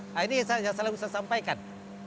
nah ini yang saya selalu sampaikan